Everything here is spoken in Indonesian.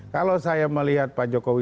kalau saya melihat pak jokowi dodo soebeli